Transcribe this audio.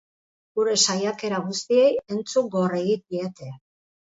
Gure saiakera guztiei entzungor egin diete.